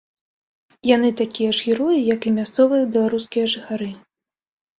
Яны такія ж героі, як і мясцовыя беларускія жыхары.